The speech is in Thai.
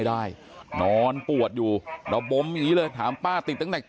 ติดเตียงได้ยินเสียงลูกสาวต้องโทรศัพท์ไปหาคนมาช่วย